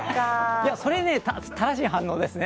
それは正しい反応ですね。